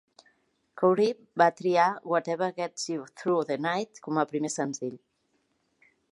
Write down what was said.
Coury va triar "Whatever Gets You through the Night" com a primer senzill.